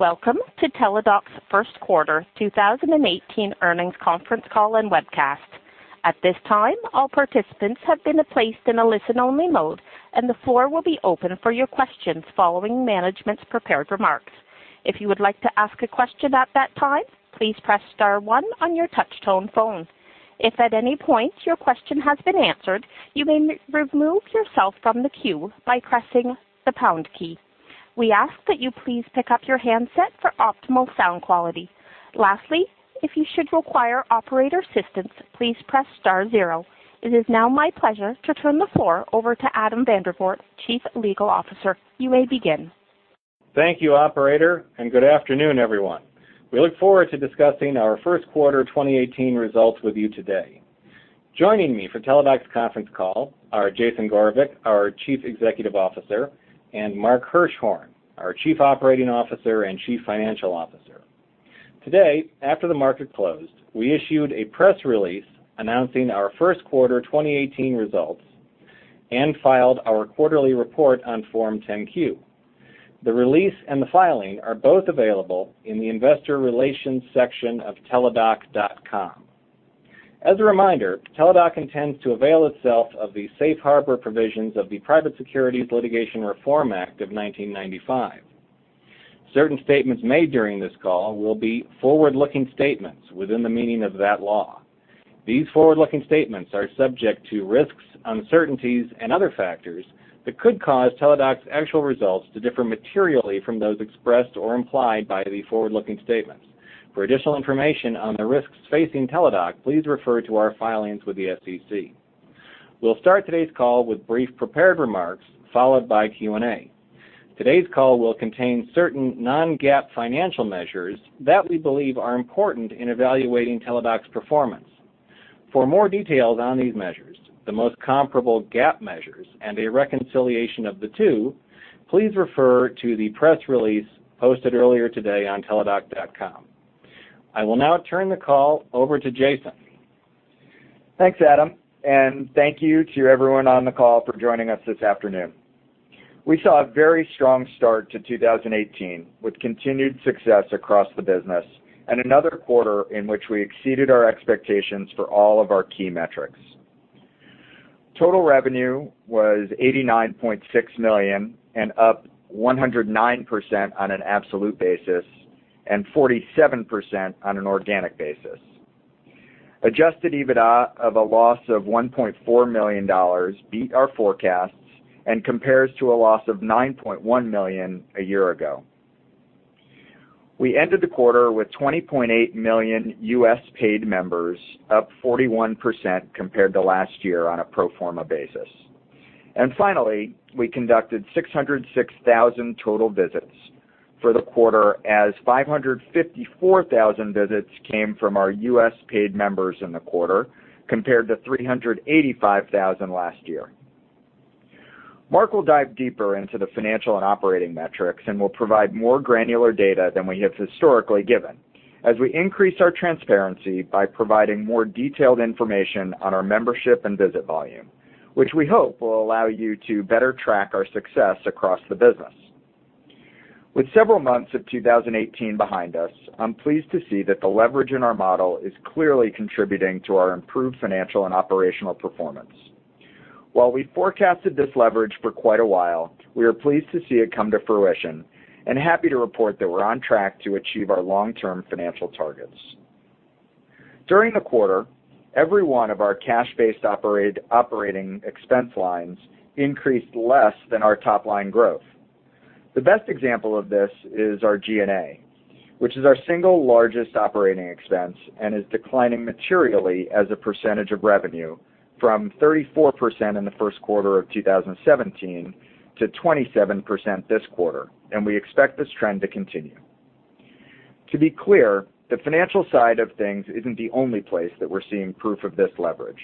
Welcome to Teladoc's first quarter 2018 earnings conference call and webcast. At this time, all participants have been placed in a listen-only mode, and the floor will be open for your questions following management's prepared remarks. If you would like to ask a question at that time, please press star one on your touch-tone phone. If at any point your question has been answered, you may remove yourself from the queue by pressing the pound key. We ask that you please pick up your handset for optimal sound quality. Lastly, if you should require operator assistance, please press star zero. It is now my pleasure to turn the floor over to Adam Vandervoort, Chief Legal Officer. You may begin. Thank you, operator, and good afternoon, everyone. We look forward to discussing our first quarter 2018 results with you today. Joining me for Teladoc's conference call are Jason Gorevic, our Chief Executive Officer, and Mark Hirschhorn, our Chief Operating Officer and Chief Financial Officer. Today, after the market closed, we issued a press release announcing our first quarter 2018 results and filed our quarterly report on Form 10-Q. The release and the filing are both available in the investor relations section of teladoc.com. As a reminder, Teladoc intends to avail itself of the Safe Harbor provisions of the Private Securities Litigation Reform Act of 1995. Certain statements made during this call will be forward-looking statements within the meaning of that law. These forward-looking statements are subject to risks, uncertainties, and other factors that could cause Teladoc's actual results to differ materially from those expressed or implied by the forward-looking statements. For additional information on the risks facing Teladoc, please refer to our filings with the SEC. We'll start today's call with brief prepared remarks, followed by Q&A. Today's call will contain certain non-GAAP financial measures that we believe are important in evaluating Teladoc's performance. For more details on these measures, the most comparable GAAP measures, and a reconciliation of the two, please refer to the press release posted earlier today on teladoc.com. I will now turn the call over to Jason. Thanks, Adam, and thank you to everyone on the call for joining us this afternoon. We saw a very strong start to 2018 with continued success across the business and another quarter in which we exceeded our expectations for all of our key metrics. Total revenue was $89.6 million and up 109% on an absolute basis and 47% on an organic basis. Adjusted EBITDA of a loss of $1.4 million beat our forecasts and compares to a loss of $9.1 million a year ago. We ended the quarter with 20.8 million U.S. paid members, up 41% compared to last year on a pro forma basis. Finally, we conducted 606,000 total visits for the quarter, as 554,000 visits came from our U.S. paid members in the quarter, compared to 385,000 last year. Mark will dive deeper into the financial and operating metrics and will provide more granular data than we have historically given as we increase our transparency by providing more detailed information on our membership and visit volume, which we hope will allow you to better track our success across the business. With several months of 2018 behind us, I'm pleased to see that the leverage in our model is clearly contributing to our improved financial and operational performance. While we forecasted this leverage for quite a while, we are pleased to see it come to fruition and happy to report that we're on track to achieve our long-term financial targets. During the quarter, every one of our cash-based operating expense lines increased less than our top-line growth. The best example of this is our G&A, which is our single largest operating expense and is declining materially as a percentage of revenue from 34% in the first quarter of 2017 to 27% this quarter. We expect this trend to continue. To be clear, the financial side of things isn't the only place that we're seeing proof of this leverage.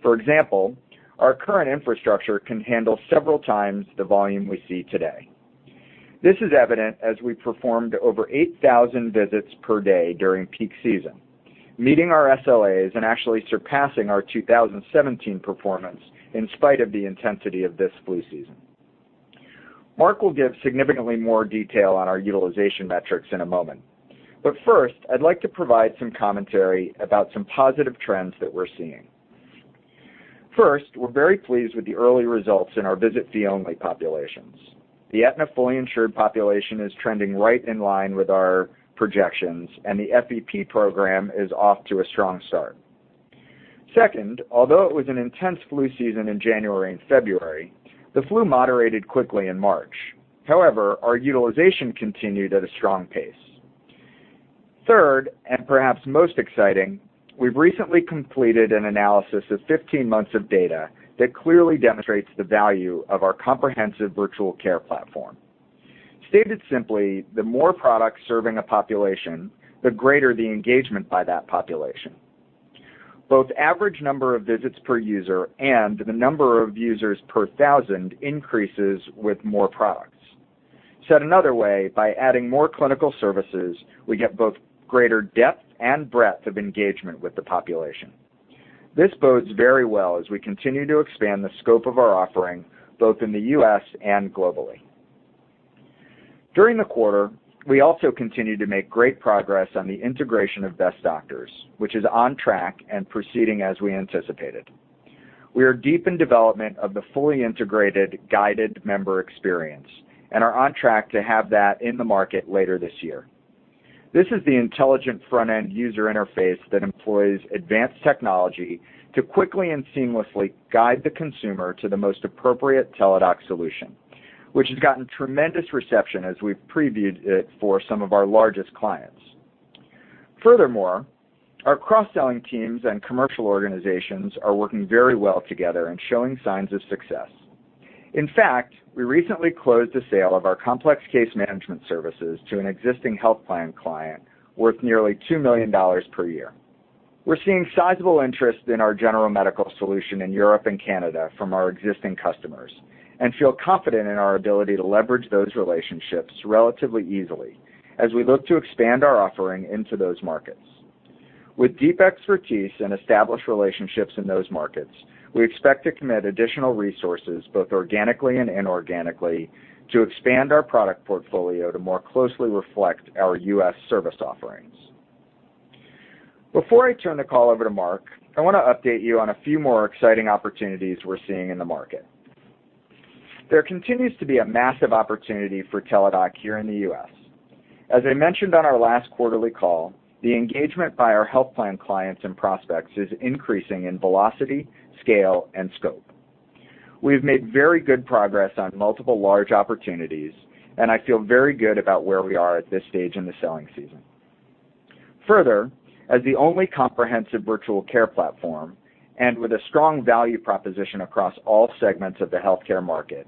For example, our current infrastructure can handle several times the volume we see today. This is evident as we performed over 8,000 visits per day during peak season, meeting our SLAs and actually surpassing our 2017 performance in spite of the intensity of this flu season. Mark will give significantly more detail on our utilization metrics in a moment. First, I'd like to provide some commentary about some positive trends that we're seeing. First, we're very pleased with the early results in our visit-fee-only populations. The Aetna fully insured population is trending right in line with our projections. The FEP program is off to a strong start. Second, although it was an intense flu season in January and February, the flu moderated quickly in March. However, our utilization continued at a strong pace. Third, perhaps most exciting, we've recently completed an analysis of 15 months of data that clearly demonstrates the value of our comprehensive virtual care platform. Stated simply, the more products serving a population, the greater the engagement by that population. Both average number of visits per user and the number of users per thousand increases with more products. Said another way, by adding more clinical services, we get both greater depth and breadth of engagement with the population. This bodes very well as we continue to expand the scope of our offering, both in the U.S. and globally. During the quarter, we also continued to make great progress on the integration of Best Doctors, which is on track and proceeding as we anticipated. We are deep in development of the fully integrated guided member experience and are on track to have that in the market later this year. This is the intelligent front-end user interface that employs advanced technology to quickly and seamlessly guide the consumer to the most appropriate Teladoc solution, which has gotten tremendous reception as we've previewed it for some of our largest clients. Furthermore, our cross-selling teams and commercial organizations are working very well together and showing signs of success. In fact, we recently closed the sale of our complex case management services to an existing health plan client worth nearly $2 million per year. We're seeing sizable interest in our general medical solution in Europe and Canada from our existing customers and feel confident in our ability to leverage those relationships relatively easily as we look to expand our offering into those markets. With deep expertise and established relationships in those markets, we expect to commit additional resources, both organically and inorganically, to expand our product portfolio to more closely reflect our U.S. service offerings. Before I turn the call over to Mark, I want to update you on a few more exciting opportunities we're seeing in the market. There continues to be a massive opportunity for Teladoc here in the U.S. As I mentioned on our last quarterly call, the engagement by our health plan clients and prospects is increasing in velocity, scale, and scope. We have made very good progress on multiple large opportunities. I feel very good about where we are at this stage in the selling season. Further, as the only comprehensive virtual care platform and with a strong value proposition across all segments of the healthcare market,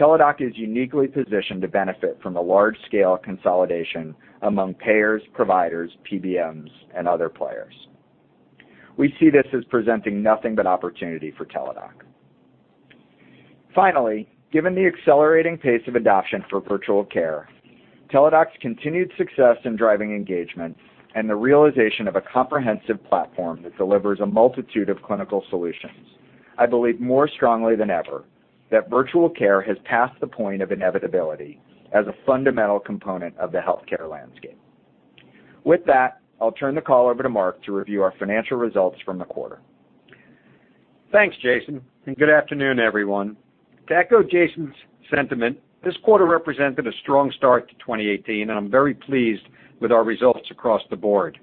Teladoc is uniquely positioned to benefit from the large-scale consolidation among payers, providers, PBMs, and other players. We see this as presenting nothing but opportunity for Teladoc. Finally, given the accelerating pace of adoption for virtual care, Teladoc's continued success in driving engagement, and the realization of a comprehensive platform that delivers a multitude of clinical solutions, I believe more strongly than ever that virtual care has passed the point of inevitability as a fundamental component of the healthcare landscape. With that, I'll turn the call over to Mark to review our financial results from the quarter. Thanks, Jason. Good afternoon, everyone. To echo Jason's sentiment, this quarter represented a strong start to 2018. I'm very pleased with our results across the board.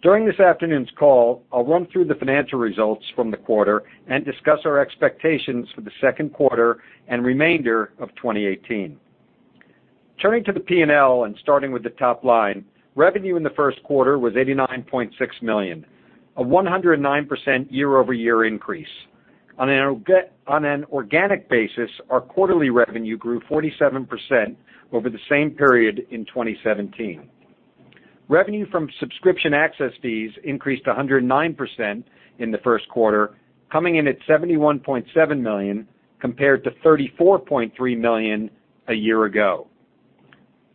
During this afternoon's call, I'll run through the financial results from the quarter and discuss our expectations for the second quarter and remainder of 2018. Turning to the P&L and starting with the top line, revenue in the first quarter was $89.6 million, a 109% year-over-year increase. On an organic basis, our quarterly revenue grew 47% over the same period in 2017. Revenue from subscription access fees increased 109% in the first quarter, coming in at $71.7 million, compared to $34.3 million a year ago.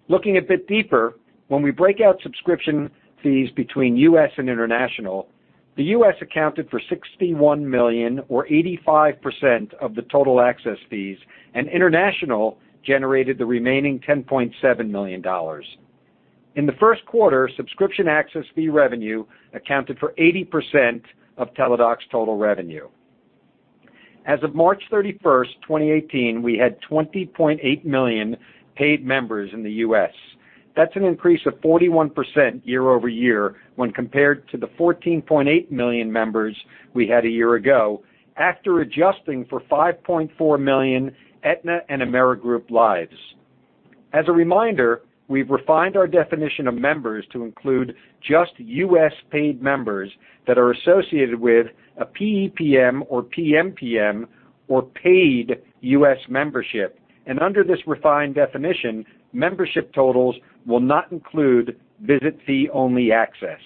Looking a bit deeper, when we break out subscription fees between U.S. and international, the U.S. accounted for $61 million or 85% of the total access fees, and international generated the remaining $10.7 million. In the first quarter, subscription access fee revenue accounted for 80% of Teladoc's total revenue. As of March 31, 2018, we had 20.8 million paid members in the U.S. That's an increase of 41% year-over-year when compared to the 14.8 million members we had a year ago after adjusting for 5.4 million Aetna and Amerigroup lives. As a reminder, we've refined our definition of members to include just U.S. paid members that are associated with a PEPM or PMPM or paid U.S. membership. Under this refined definition, membership totals will not include visit fee-only access.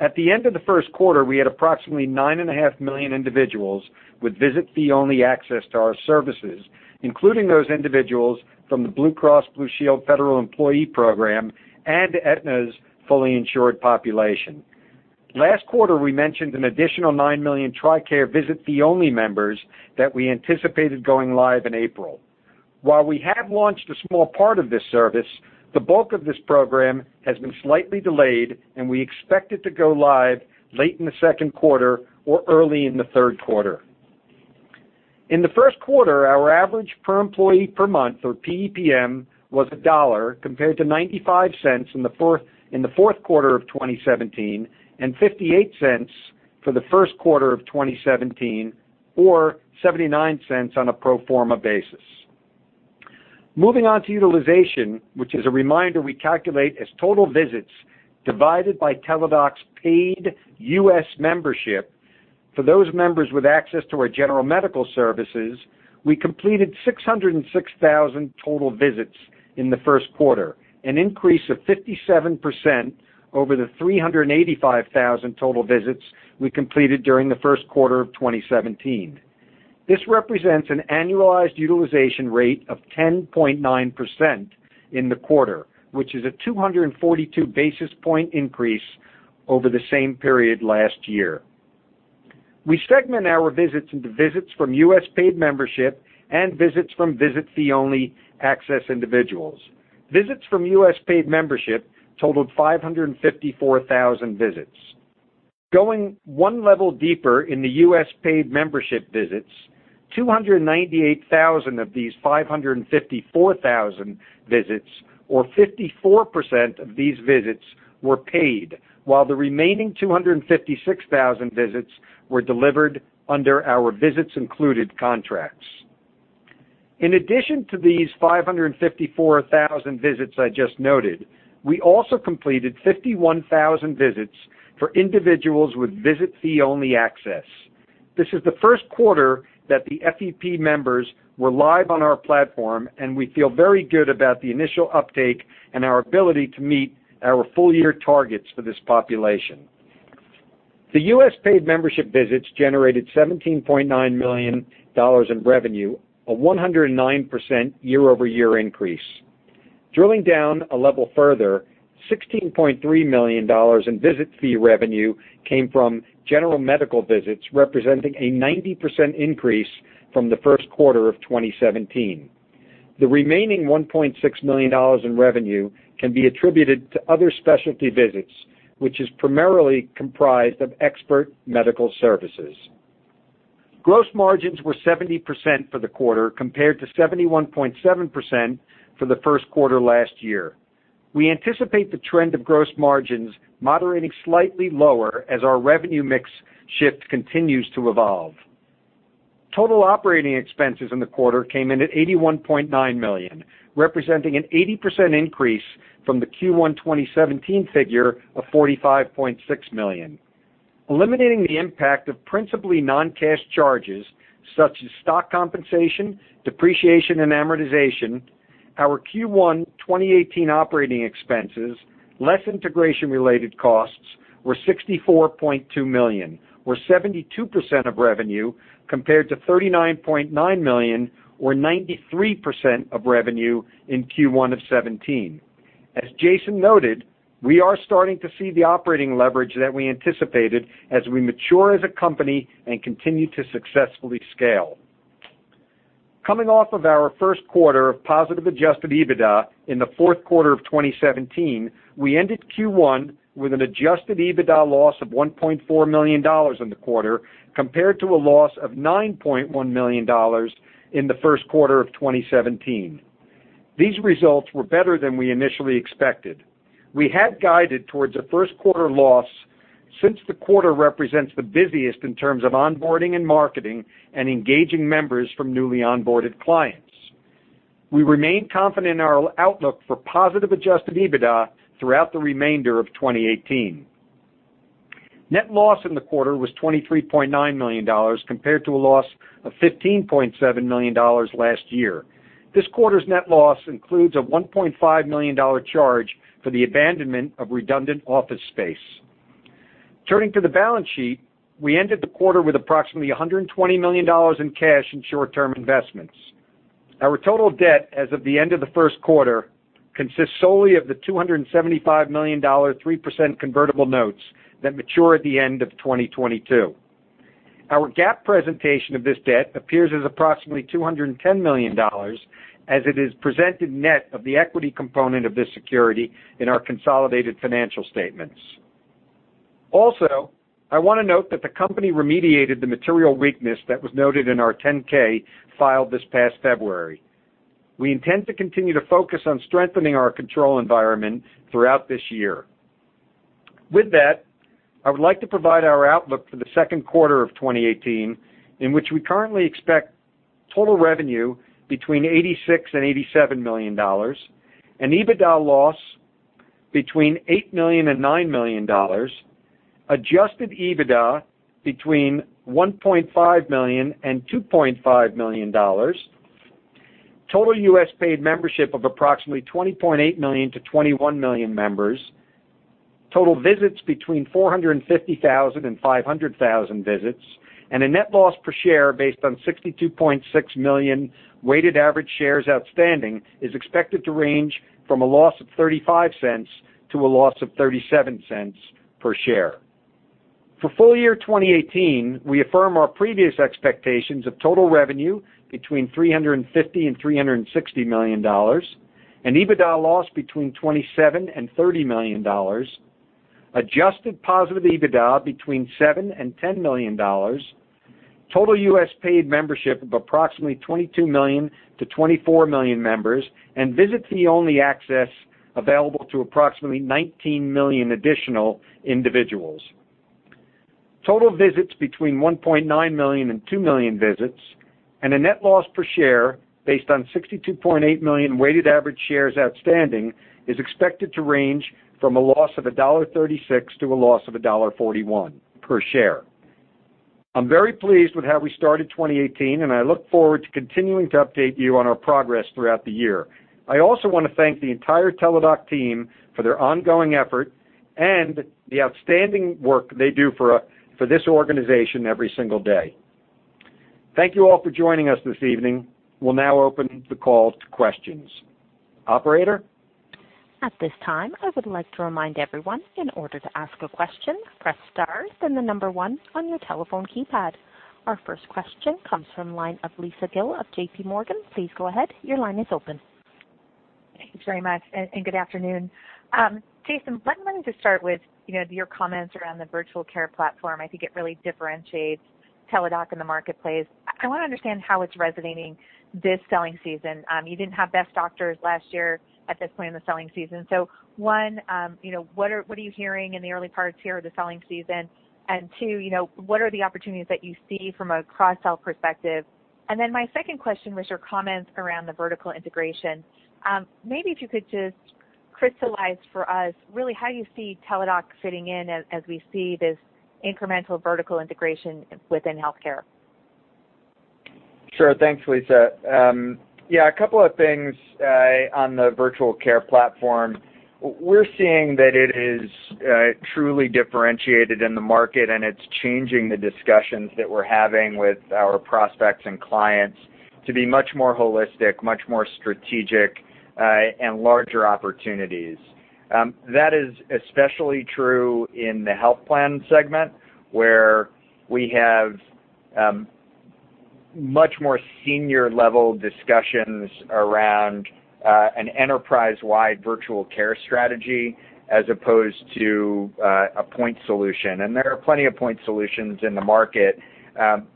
At the end of the first quarter, we had approximately nine and a half million individuals with visit fee-only access to our services, including those individuals from the Blue Cross and Blue Shield Federal Employee Program and Aetna's fully insured population. Last quarter, we mentioned an additional 9 million TRICARE visit fee-only members that we anticipated going live in April. While we have launched a small part of this service, the bulk of this program has been slightly delayed, and we expect it to go live late in the second quarter or early in the third quarter. In the first quarter, our average per employee per month or PEPM was $1 compared to $0.95 in the fourth quarter of 2017 and $0.58 for the first quarter of 2017, or $0.79 on a pro forma basis. Moving on to utilization, which as a reminder, we calculate as total visits divided by Teladoc's paid U.S. membership. For those members with access to our general medical services, we completed 606,000 total visits in the first quarter, an increase of 57% over the 385,000 total visits we completed during the first quarter of 2017. This represents an annualized utilization rate of 10.9% in the quarter, which is a 242 basis point increase over the same period last year. We segment our visits into visits from U.S. paid membership and visits from visit-fee-only access individuals. Visits from U.S. paid membership totaled 554,000 visits. Going 1 level deeper in the U.S. paid membership visits, 298,000 of these 554,000 visits or 54% of these visits were paid, while the remaining 256,000 visits were delivered under our visits included contracts. In addition to these 554,000 visits I just noted, we also completed 51,000 visits for individuals with visit fee only access. This is the first quarter that the FEP members were live on our platform, and we feel very good about the initial uptake and our ability to meet our full year targets for this population. The U.S. paid membership visits generated $17.9 million in revenue, a 109% year-over-year increase. Drilling down a level further, $16.3 million in visit fee revenue came from general medical visits, representing a 90% increase from the first quarter of 2017. The remaining $1.6 million in revenue can be attributed to other specialty visits, which is primarily comprised of Best Doctors. Gross margins were 70% for the quarter compared to 71.7% for the first quarter last year. We anticipate the trend of gross margins moderating slightly lower as our revenue mix shift continues to evolve. Total operating expenses in the quarter came in at $81.9 million, representing an 80% increase from the Q1 2017 figure of $45.6 million. Eliminating the impact of principally non-cash charges such as stock compensation, depreciation, and amortization, our Q1 2018 operating expenses, less integration related costs, were $64.2 million, or 72% of revenue, compared to $39.9 million or 93% of revenue in Q1 2017. As Jason noted, we are starting to see the operating leverage that we anticipated as we mature as a company and continue to successfully scale. Coming off of our first quarter of positive adjusted EBITDA in the fourth quarter of 2017, we ended Q1 with an adjusted EBITDA loss of $1.4 million in the quarter, compared to a loss of $9.1 million in the first quarter of 2017. These results were better than we initially expected. We had guided towards a first quarter loss since the quarter represents the busiest in terms of onboarding and marketing and engaging members from newly onboarded clients. We remain confident in our outlook for positive adjusted EBITDA throughout the remainder of 2018. Net loss in the quarter was $23.9 million, compared to a loss of $15.7 million last year. This quarter's net loss includes a $1.5 million charge for the abandonment of redundant office space. Turning to the balance sheet, we ended the quarter with approximately $120 million in cash and short-term investments. Our total debt as of the end of the first quarter consists solely of the $275 million 3% convertible notes that mature at the end of 2022. Our GAAP presentation of this debt appears as approximately $210 million as it is presented net of the equity component of this security in our consolidated financial statements. Also, I want to note that the company remediated the material weakness that was noted in our 10-K filed this past February. We intend to continue to focus on strengthening our control environment throughout this year. With that, I would like to provide our outlook for the second quarter of 2018, in which we currently expect total revenue between $86 million and $87 million, an EBITDA loss between $8 million and $9 million, adjusted EBITDA between $1.5 million and $2.5 million, total U.S. paid membership of approximately 20.8 million to 21 million members, total visits between 450,000 and 500,000 visits, and a net loss per share based on 62.6 million weighted average shares outstanding is expected to range from a loss of $0.35 to a loss of $0.37 per share. For full year 2018, we affirm our previous expectations of total revenue between $350 million and $360 million, an EBITDA loss between $27 million and $30 million, adjusted positive EBITDA between $7 million and $10 million, total U.S. paid membership of approximately 22 million to 24 million members, and visit fee only access available to approximately 19 million additional individuals, total visits between 1.9 million and 2 million visits, and a net loss per share based on 62.8 million weighted average shares outstanding is expected to range from a loss of $1.36 to a loss of $1.41 per share. I'm very pleased with how we started 2018 and I look forward to continuing to update you on our progress throughout the year. I also want to thank the entire Teladoc team for their ongoing effort The outstanding work they do for this organization every single day. Thank you all for joining us this evening. We'll now open the call to questions. Operator? At this time, I would like to remind everyone, in order to ask a question, press star, then the number 1 on your telephone keypad. Our first question comes from the line of Lisa Gill of JPMorgan. Please go ahead. Your line is open. Thanks very much, and good afternoon. Jason, I'm going to start with your comments around the virtual care platform. I think it really differentiates Teladoc in the marketplace. I want to understand how it's resonating this selling season. You didn't have Best Doctors last year at this point in the selling season. One, what are you hearing in the early parts here of the selling season? Two, what are the opportunities that you see from a cross-sell perspective? My second question was your comments around the vertical integration. Maybe if you could just crystallize for us really how you see Teladoc fitting in as we see this incremental vertical integration within healthcare. Sure. Thanks, Lisa. A couple of things on the virtual care platform. We're seeing that it is truly differentiated in the market, and it's changing the discussions that we're having with our prospects and clients to be much more holistic, much more strategic, and larger opportunities. That is especially true in the health plan segment, where we have much more senior-level discussions around an enterprise-wide virtual care strategy as opposed to a point solution. There are plenty of point solutions in the market,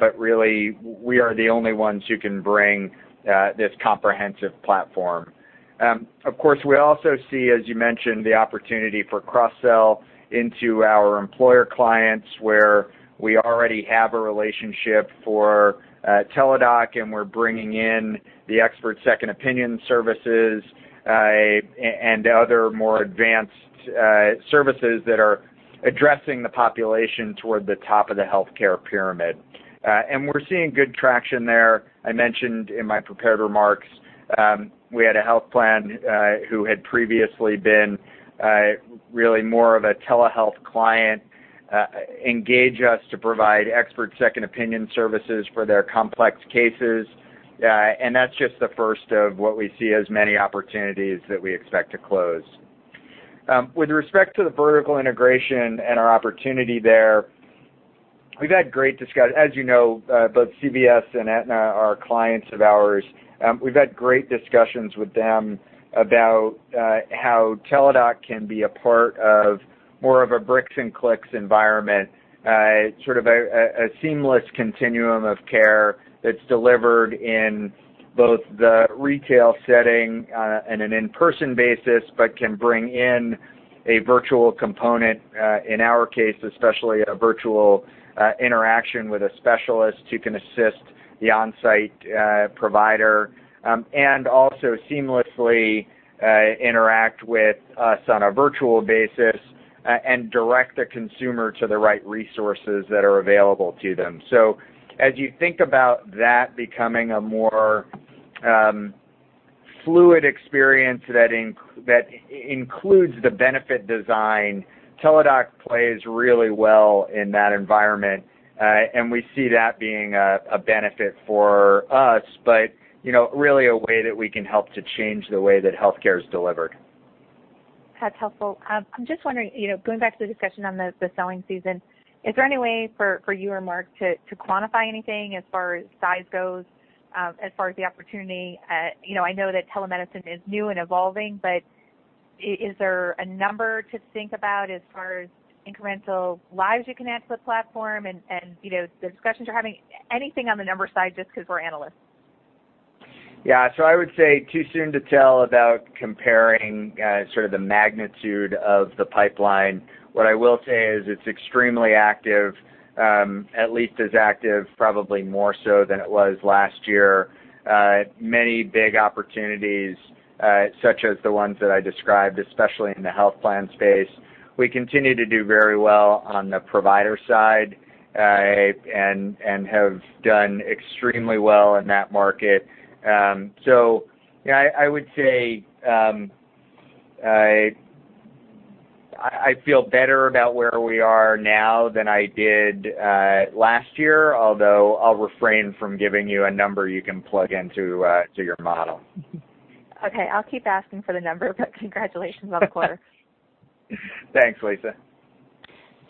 but really, we are the only ones who can bring this comprehensive platform. Of course, we also see, as you mentioned, the opportunity for cross-sell into our employer clients, where we already have a relationship for Teladoc, and we're bringing in the expert second opinion services, and other more advanced services that are addressing the population toward the top of the healthcare pyramid. We're seeing good traction there. I mentioned in my prepared remarks, we had a health plan, who had previously been really more of a telehealth client, engage us to provide expert second opinion services for their complex cases. That's just the first of what we see as many opportunities that we expect to close. With respect to the vertical integration and our opportunity there, as you know, both CVS and Aetna are clients of ours. We've had great discussions with them about how Teladoc can be a part of more of a bricks-and-clicks environment, sort of a seamless continuum of care that's delivered in both the retail setting on an in-person basis, but can bring in a virtual component, in our case, especially a virtual interaction with a specialist who can assist the on-site provider, and also seamlessly interact with us on a virtual basis and direct the consumer to the right resources that are available to them. As you think about that becoming a more fluid experience that includes the benefit design, Teladoc plays really well in that environment. We see that being a benefit for us, but really a way that we can help to change the way that healthcare is delivered. That's helpful. I'm just wondering, going back to the discussion on the selling season, is there any way for you or Mark to quantify anything as far as size goes, as far as the opportunity? I know that telemedicine is new and evolving, but is there a number to think about as far as incremental lives you connect to the platform and the discussions you're having? Anything on the number side, just because we're analysts. I would say too soon to tell about comparing sort of the magnitude of the pipeline. What I will say is it's extremely active, at least as active, probably more so than it was last year. Many big opportunities, such as the ones that I described, especially in the health plan space. We continue to do very well on the provider side and have done extremely well in that market. I would say, I feel better about where we are now than I did last year, although I'll refrain from giving you a number you can plug into your model. Okay. I'll keep asking for the number, congratulations on the quarter. Thanks, Lisa.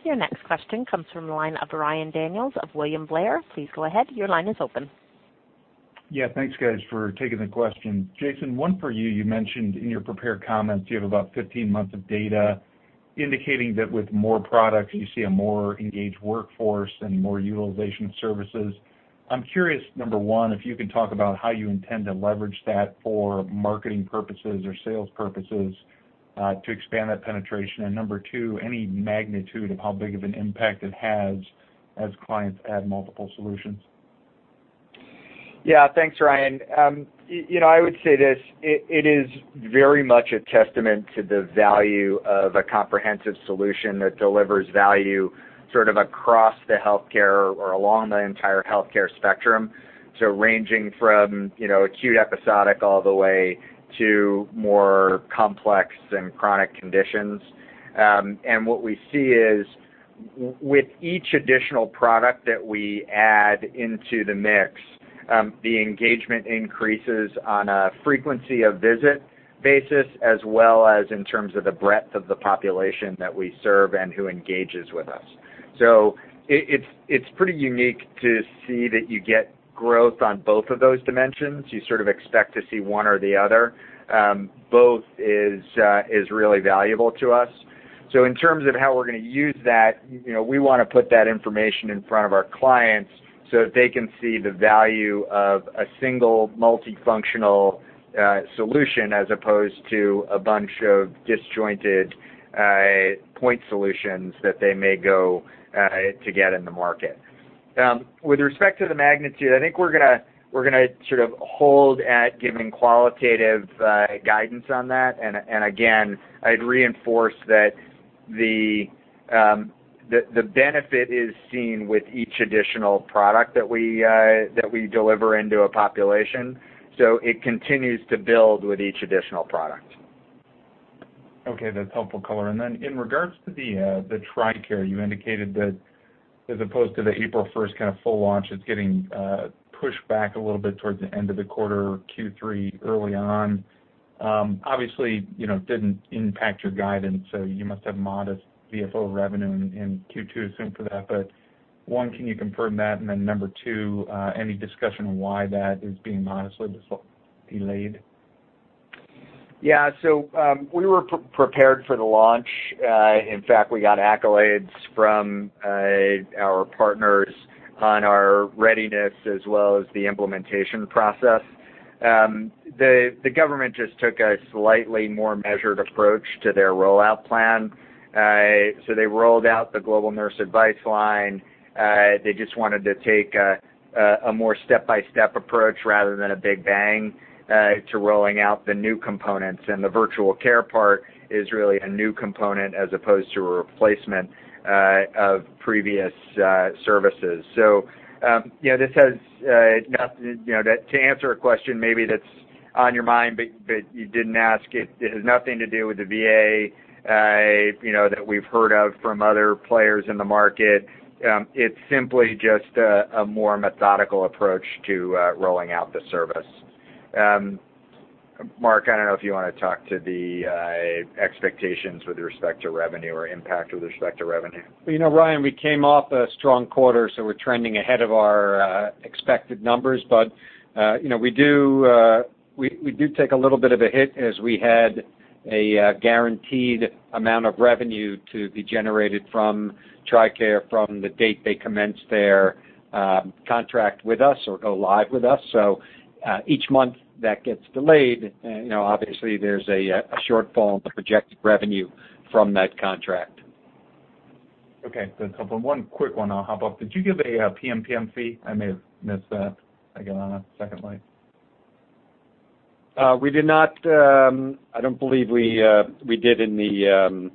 Your next question comes from the line of Ryan Daniels of William Blair. Please go ahead. Your line is open. Yeah. Thanks, guys, for taking the question. Jason, one for you. You mentioned in your prepared comments you have about 15 months of data indicating that with more products, you see a more engaged workforce and more utilization of services. I'm curious, number 1, if you can talk about how you intend to leverage that for marketing purposes or sales purposes to expand that penetration. Number 2, any magnitude of how big of an impact it has as clients add multiple solutions? Yeah. Thanks, Ryan. I would say this: it is very much a testament to the value of a comprehensive solution that delivers value sort of across the healthcare or along the entire healthcare spectrum. Ranging from acute episodic all the way to more complex and chronic conditions. What we see is With each additional product that we add into the mix, the engagement increases on a frequency of visit basis, as well as in terms of the breadth of the population that we serve and who engages with us. It's pretty unique to see that you get growth on both of those dimensions. You sort of expect to see one or the other. Both is really valuable to us. In terms of how we're going to use that, we want to put that information in front of our clients so that they can see the value of a single multifunctional solution as opposed to a bunch of disjointed point solutions that they may go to get in the market. With respect to the magnitude, I think we're going to sort of hold at giving qualitative guidance on that. Again, I'd reinforce that the benefit is seen with each additional product that we deliver into a population. It continues to build with each additional product. Okay, that's helpful color. In regards to the TRICARE, you indicated that as opposed to the April 1st kind of full launch, it's getting pushed back a little bit towards the end of the quarter, Q3 early on. Obviously, it didn't impact your guidance, so you must have modest VFO revenue in Q2 soon for that. One, can you confirm that? Number two, any discussion on why that is being modestly delayed? Yeah. We were prepared for the launch. In fact, we got accolades from our partners on our readiness as well as the implementation process. The government just took a slightly more measured approach to their rollout plan. They rolled out the global nurse advice line. They just wanted to take a more step-by-step approach rather than a big bang, to rolling out the new components. The virtual care part is really a new component as opposed to a replacement of previous services. To answer a question maybe that's on your mind, but you didn't ask it has nothing to do with the VA, that we've heard of from other players in the market. It's simply just a more methodical approach to rolling out the service. Mark, I don't know if you want to talk to the expectations with respect to revenue or impact with respect to revenue. Well, Ryan, we came off a strong quarter, we're trending ahead of our expected numbers. We do take a little bit of a hit as we had a guaranteed amount of revenue to be generated from TRICARE from the date they commenced their contract with us or go live with us. Each month that gets delayed, obviously there's a shortfall in the projected revenue from that contract. Okay. That's helpful. One quick one I'll hop off. Did you give a PMPM fee? I may have missed that, again, on a second line. We did not. I don't believe we did in the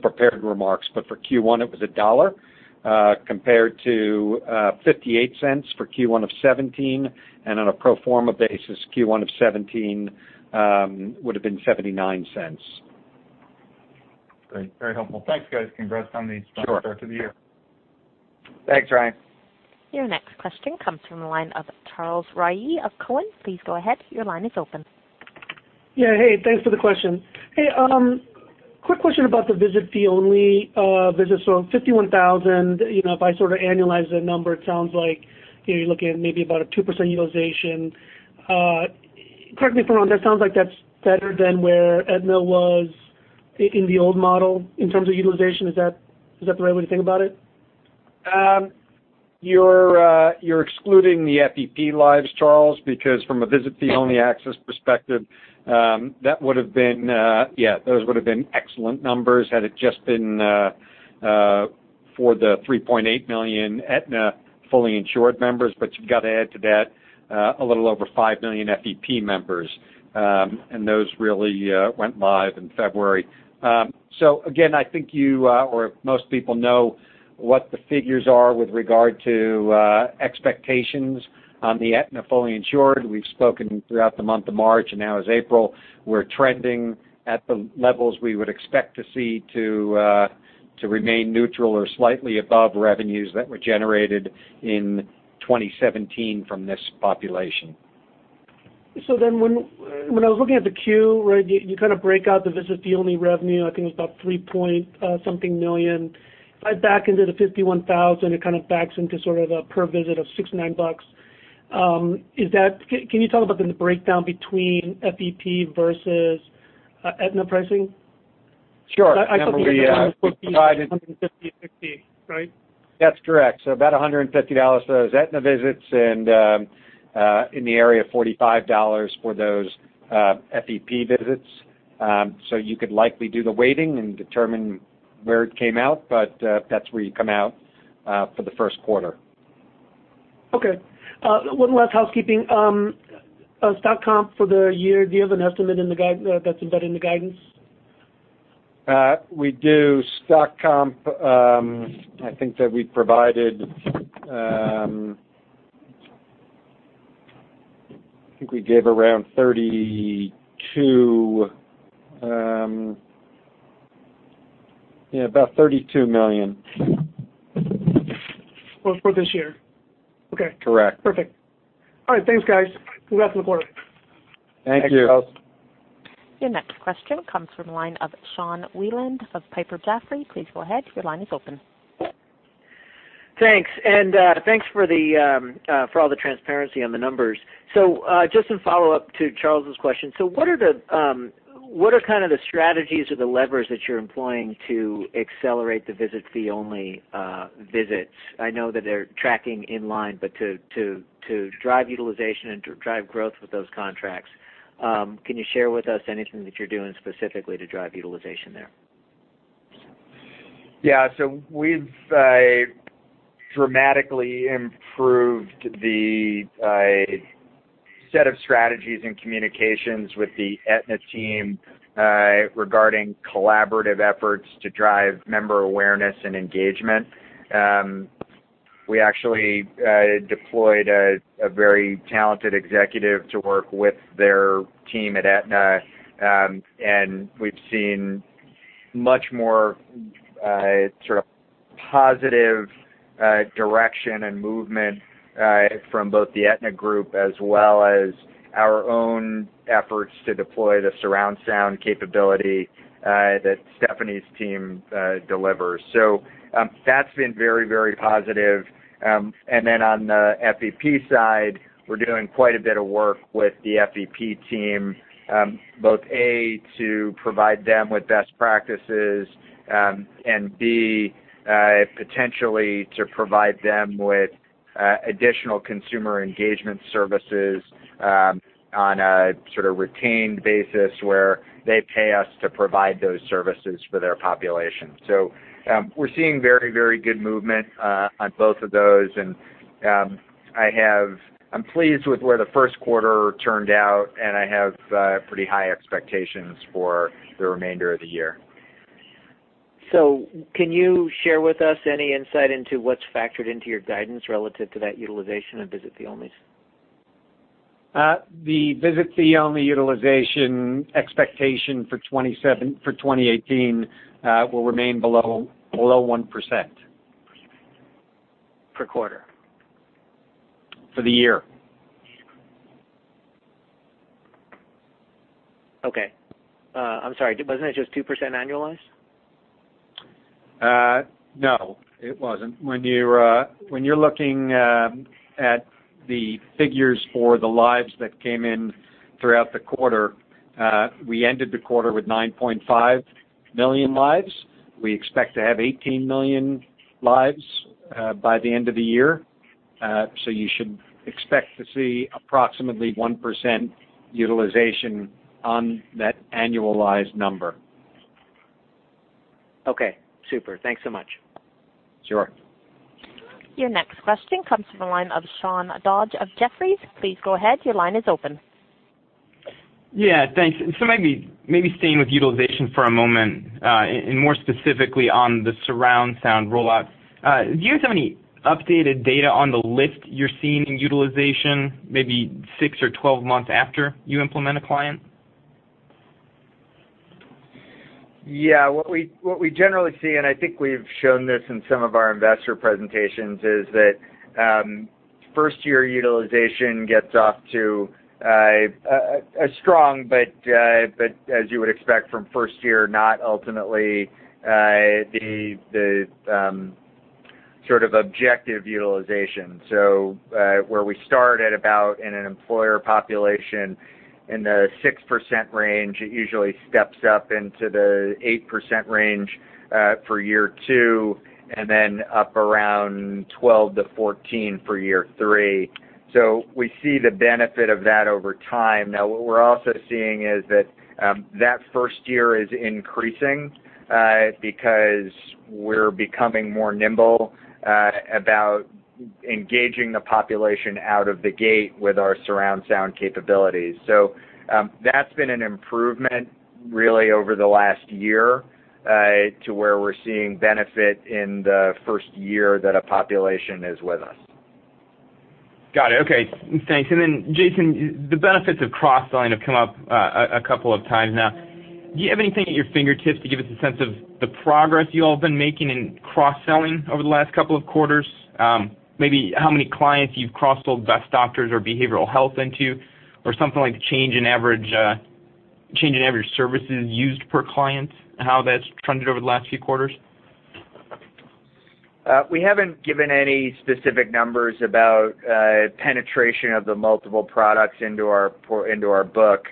prepared remarks. For Q1, it was $1.00, compared to $0.58 for Q1 of 2017, and on a pro forma basis, Q1 of 2017, would've been $0.79. Great. Very helpful. Thanks, guys. Congrats on the. Sure strong start to the year. Thanks, Ryan. Your next question comes from the line of Charles Rhyee of Cowen. Please go ahead. Your line is open. Yeah. Hey, thanks for the question. Hey, quick question about the visit fee only. Visits were 51,000. If I sort of annualize that number, it sounds like you're looking at maybe about a 2% utilization. Correct me if I'm wrong. That sounds like that's better than where Aetna was in the old model in terms of utilization. Is that the right way to think about it? You're excluding the FEP lives, Charles, because from a visit fee only access perspective, those would've been excellent numbers had it just been for the 3.8 million Aetna fully insured members. You've got to add to that, a little over 5 million FEP members. Those really went live in February. Again, I think you, or most people know what the figures are with regard to expectations on the Aetna fully insured. We've spoken throughout the month of March, and now as April, we're trending at the levels we would expect to see to remain neutral or slightly above revenues that were generated in 2017 from this population. When I was looking at the queue, where you kind of break out the visit fee only revenue, I think it was about three point something million. If I back into the 51,000, it kind of backs into sort of a per visit of $6, $9. Can you tell about the breakdown between FEP versus Aetna pricing? Sure. I saw figures of $140 and $150, $60, right? That's correct. About $150 for those Aetna visits and in the area of $45 for those FEP visits. You could likely do the weighting and determine where it came out, but that's where you come out for the first quarter. Okay. One last housekeeping. Stock comp for the year, do you have an estimate that's embedded in the guidance? We do. Stock comp, I think that we provided a- I think we gave around $32. Yeah, about $32 million. Was for this year? Okay. Correct. Perfect. All right. Thanks, guys. Congrats on the quarter. Thank you. Thanks, Charles. Your next question comes from the line of Sean Wieland of Piper Jaffray. Please go ahead. Your line is open. Thanks. Thanks for all the transparency on the numbers. Just in follow-up to Charles's question, what are the strategies or the levers that you're employing to accelerate the visit fee-only visits? I know that they're tracking in line, but to drive utilization and to drive growth with those contracts, can you share with us anything that you're doing specifically to drive utilization there? We've dramatically improved the set of strategies and communications with the Aetna team, regarding collaborative efforts to drive member awareness and engagement. We actually deployed a very talented executive to work with their team at Aetna, and we've seen much more sort of positive direction and movement from both the Aetna group as well as our own efforts to deploy the surround sound capability that Stephany's team delivers. That's been very positive. On the FEP side, we're doing quite a bit of work with the FEP team, both, A, to provide them with best practices and, B, potentially to provide them with additional consumer engagement services on a sort of retained basis where they pay us to provide those services for their population. We're seeing very good movement on both of those, and I'm pleased with where the first quarter turned out, and I have pretty high expectations for the remainder of the year. Can you share with us any insight into what's factored into your guidance relative to that utilization of visit fee onlys? The visit fee only utilization expectation for 2018 will remain below 1%. Per quarter? For the year. Okay. I'm sorry. Wasn't it just 2% annualized? No, it wasn't. When you're looking at the figures for the lives that came in throughout the quarter, we ended the quarter with 9.5 million lives. We expect to have 18 million lives by the end of the year. You should expect to see approximately 1% utilization on that annualized number. Okay, super. Thanks so much. Sure. Your next question comes from the line of Sean Dodge of Jefferies. Please go ahead. Your line is open. Yeah, thanks. Maybe staying with utilization for a moment, and more specifically on the surround sound rollout. Do you guys have any updated data on the lift you're seeing in utilization, maybe six or 12 months after you implement a client? What we generally see, and I think we've shown this in some of our investor presentations, is that first-year utilization gets off to a strong, but as you would expect from first year, not ultimately the sort of objective utilization. Where we start at about in an employer population in the 6% range, it usually steps up into the 8% range for year two and then up around 12%-14% for year three. We see the benefit of that over time. What we're also seeing is that first year is increasing because we're becoming more nimble about engaging the population out of the gate with our surround sound capabilities. That's been an improvement really over the last year, to where we're seeing benefit in the first year that a population is with us. Got it. Okay, thanks. Jason, the benefits of cross-selling have come up a couple of times now. Do you have anything at your fingertips to give us a sense of the progress you all have been making in cross-selling over the last couple of quarters? Maybe how many clients you've cross-sold Best Doctors or behavioral health into, or something like change in average services used per client and how that's trended over the last few quarters? We haven't given any specific numbers about penetration of the multiple products into our book.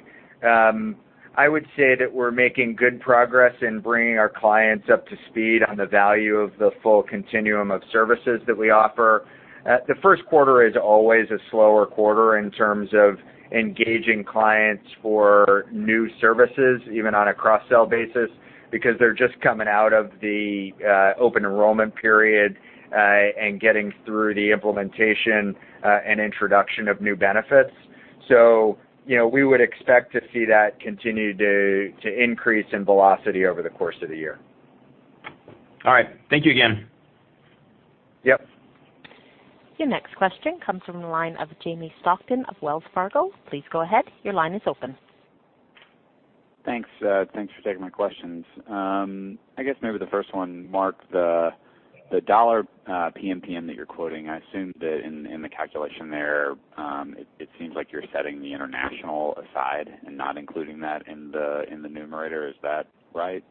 I would say that we're making good progress in bringing our clients up to speed on the value of the full continuum of services that we offer. The first quarter is always a slower quarter in terms of engaging clients for new services, even on a cross-sell basis, because they're just coming out of the open enrollment period, and getting through the implementation and introduction of new benefits. We would expect to see that continue to increase in velocity over the course of the year. All right. Thank you again. Yep. Your next question comes from the line of Jamie Stockton of Wells Fargo. Please go ahead. Your line is open. Thanks for taking my questions. I guess maybe the first one, Mark, the dollar PMPM that you're quoting, I assume that in the calculation there, it seems like you're setting the international aside and not including that in the numerator. Is that right?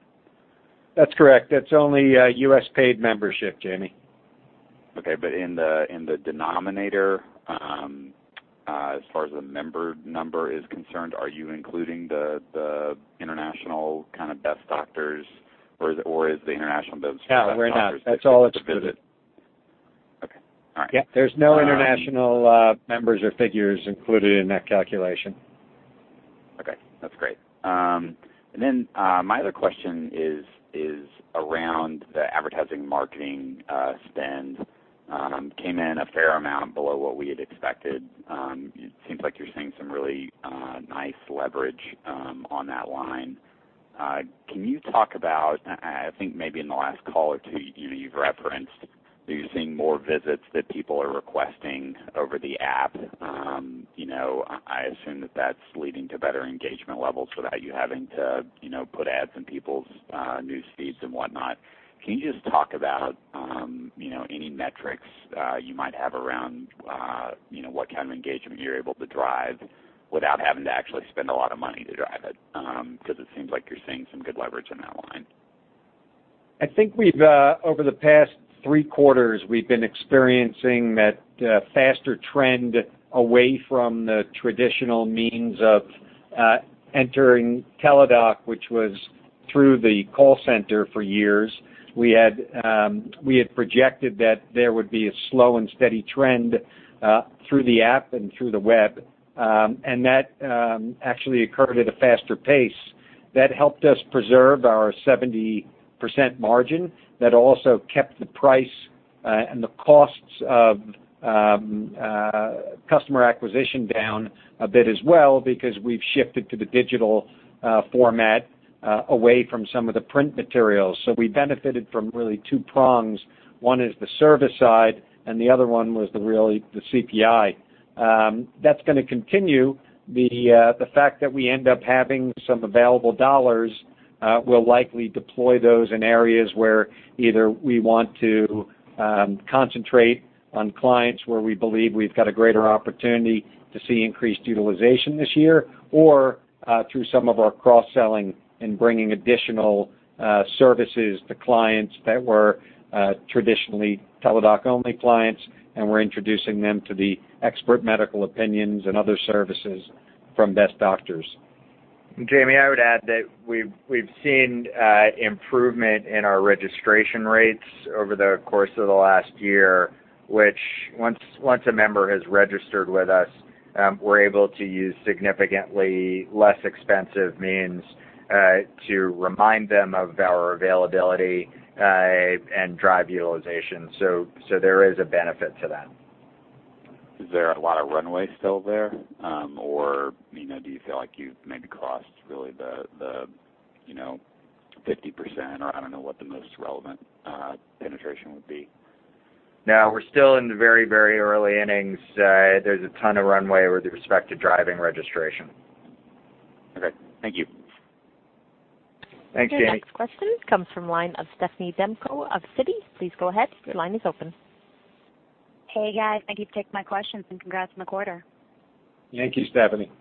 That's correct. That's only U.S. paid membership, Jamie. Okay, in the denominator, as far as the member number is concerned, are you including the international Best Doctors, or is the international Best Doctors? Yeah, we're not. That's all excluded. Okay. All right. Yeah, there's no international members or figures included in that calculation. Okay, that's great. My other question is around the advertising marketing spend. Came in a fair amount below what we had expected. It seems like you're seeing some really nice leverage on that line. Can you talk about, I think maybe in the last call or two, you've referenced that you're seeing more visits that people are requesting over the app. I assume that that's leading to better engagement levels without you having to put ads in people's news feeds and whatnot. Can you just talk about any metrics you might have around what kind of engagement you're able to drive without having to actually spend a lot of money to drive it? Because it seems like you're seeing some good leverage on that line. I think over the past three quarters, we've been experiencing that faster trend away from the traditional means of entering Teladoc, which was through the call center for years. We had projected that there would be a slow and steady trend through the app and through the web, and that actually occurred at a faster pace. That helped us preserve our 70% margin. That also kept the price and the costs of customer acquisition down a bit as well because we've shifted to the digital format away from some of the print materials. We benefited from really two prongs. One is the service side, and the other one was really the CPI. That's going to continue. The fact that we end up having some available dollars, we'll likely deploy those in areas where either we want to concentrate on clients where we believe we've got a greater opportunity to see increased utilization this year, or through some of our cross-selling and bringing additional services to clients that were traditionally Teladoc-only clients, and we're introducing them to the expert medical opinions and other services from Best Doctors. Jamie, I would add that we've seen improvement in our registration rates over the course of the last year, which once a member has registered with us, we're able to use significantly less expensive means to remind them of our availability and drive utilization. There is a benefit to that. Is there a lot of runway still there? Do you feel like you've maybe crossed really the 50%, or I don't know what the most relevant penetration would be? No, we're still in the very early innings. There's a ton of runway with respect to driving registration. Okay. Thank you. Thanks, Jamie. Your next question comes from the line of Stephanie Demko of Citi. Please go ahead. Your line is open. Hey, guys. Thank you for taking my questions, and congrats on the quarter. Thank you, Stephanie.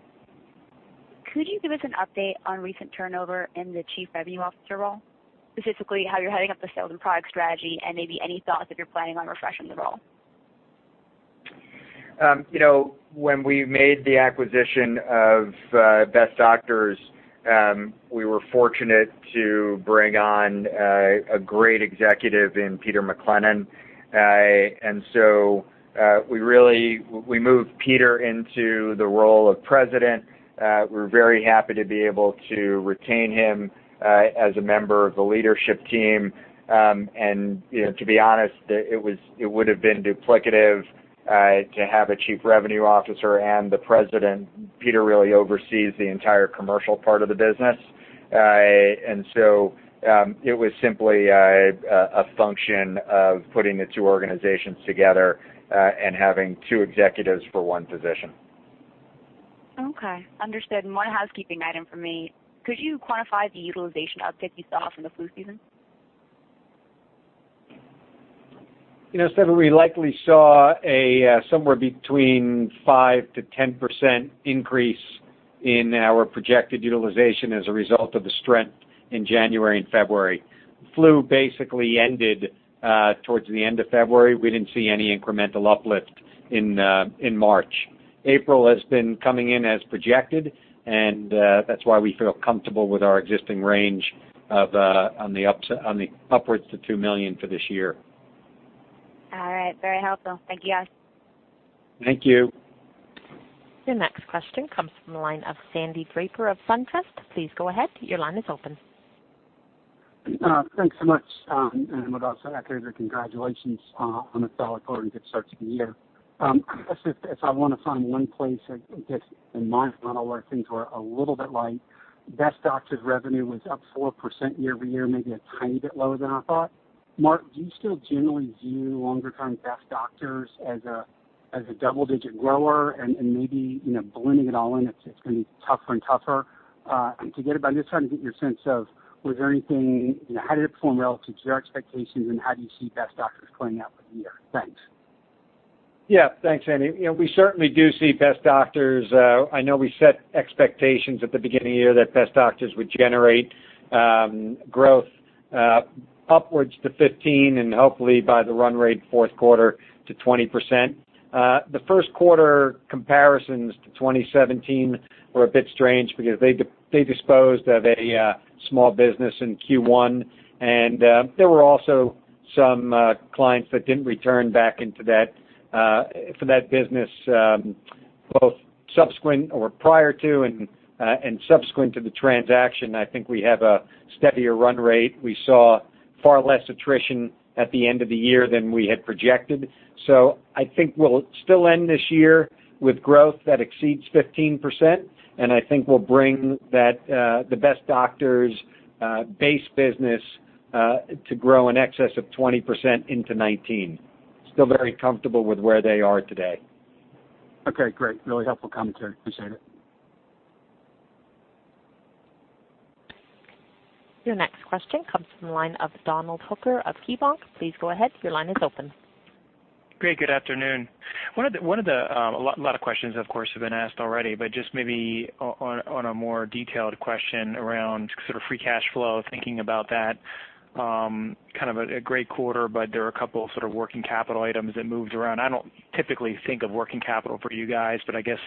Could you give us an update on recent turnover in the chief revenue officer role, specifically how you're heading up the sales and product strategy and maybe any thoughts if you're planning on refreshing the role? When we made the acquisition of Best Doctors, we were fortunate to bring on a great executive in Peter McClennen. We moved Peter into the role of President. We're very happy to be able to retain him as a member of the leadership team. To be honest, it would have been duplicative to have a chief revenue officer and the President. Peter really oversees the entire commercial part of the business. It was simply a function of putting the two organizations together and having two executives for one position. Okay. Understood. One housekeeping item from me. Could you quantify the utilization uptick you saw from the flu season? Stephanie, we likely saw somewhere between 5%-10% increase in our projected utilization as a result of the strength in January and February. Flu basically ended towards the end of February. We didn't see any incremental uplift in March. April has been coming in as projected, that's why we feel comfortable with our existing range of on the upwards to 2 million for this year. All right. Very helpful. Thank you, guys. Thank you. Your next question comes from the line of Sandy Draper of SunTrust. Please go ahead. Your line is open. Thanks so much. I would also echo the congratulations on a solid quarter and good start to the year. If I want to find one place that just in my funnel where things were a little bit light, Best Doctors revenue was up 4% year-over-year, maybe a tiny bit lower than I thought. Mark, do you still generally view longer-term Best Doctors as a double-digit grower and maybe blending it all in, it's going to be tougher and tougher to get it? I'm just trying to get your sense of, how did it perform relative to your expectations, and how do you see Best Doctors playing out for the year? Thanks. Yeah. Thanks, Sandy. We certainly do see Best Doctors, I know we set expectations at the beginning of the year that Best Doctors would generate growth upwards to 15% and hopefully by the run rate fourth quarter to 20%. The first quarter comparisons to 2017 were a bit strange because they disposed of a small business in Q1. There were also some clients that didn't return back into that business both subsequent or prior to and subsequent to the transaction. I think we have a steadier run rate. We saw far less attrition at the end of the year than we had projected. I think we'll still end this year with growth that exceeds 15%, and I think we'll bring the Best Doctors base business to grow in excess of 20% into 2019. Still very comfortable with where they are today. Okay, great. Really helpful commentary. Appreciate it. Your next question comes from the line of Donald Hooker of KeyBanc. Please go ahead. Your line is open. Great. Good afternoon. A lot of questions, of course, have been asked already. Just maybe on a more detailed question around sort of free cash flow, thinking about that. Kind of a great quarter. There are a couple sort of working capital items that moved around. I don't typically think of working capital for you guys, but I guess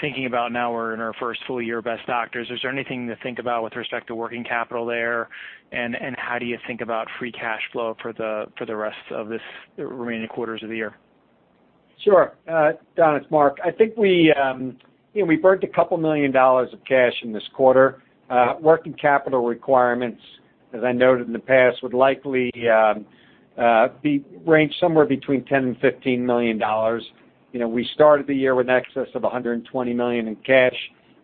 thinking about now we're in our first full year of Best Doctors, is there anything to think about with respect to working capital there? How do you think about free cash flow for the rest of this remaining quarters of the year? Sure. Don, it's Mark. I think we burnt a couple million dollars of cash in this quarter. Working capital requirements, as I noted in the past, would likely range somewhere between $10 million and $15 million. We started the year with an excess of $120 million in cash.